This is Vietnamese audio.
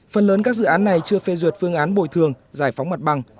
phần lớn các dự án này chưa phê duyệt phương án bồi thường giải phóng mặt bằng